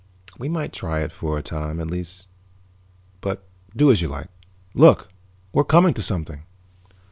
"We might try it for a time, at least. But do as you like. Look, we're coming to something."